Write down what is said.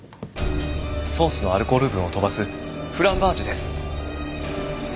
ソースのアルコール分を飛ばすフランバージュです。